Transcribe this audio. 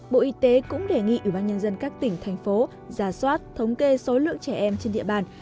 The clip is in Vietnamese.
bộ y tế cũng đề nghị ủy ban nhân dân các tỉnh thành phố giả soát thống kê số lượng trẻ em trên địa bàn